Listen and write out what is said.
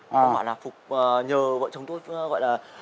công an là phục nhờ vợ chồng tôi gọi là